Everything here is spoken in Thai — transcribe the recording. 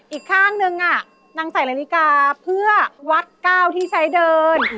อีกข้างนึงนางใส่นาฬิกาเพื่อวัดก้าวที่ใช้เดิน